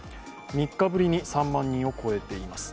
３日ぶりに３万人を超えています。